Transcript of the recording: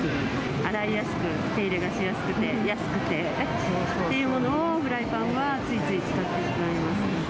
洗いやすく、手入れがしやすくて、安くてっていうものを、フライパンはついつい使ってしまいますね。